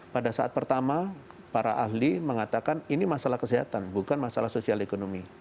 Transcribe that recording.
pada saat pertama para ahli mengatakan ini masalah kesehatan bukan masalah sosial ekonomi